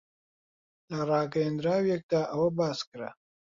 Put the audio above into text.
لە ڕاگەیەندراوێکدا ئەوە باس کرا